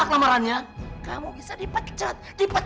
terima kasih pak